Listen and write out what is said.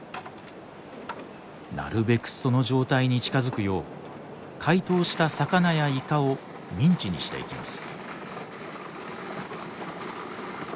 なるべくその状態に近づくよう解凍した魚やイカをミンチにしていきます。